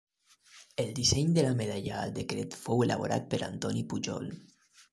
El disseny de la Medalla al Decret fou elaborat per Antoni Pujol.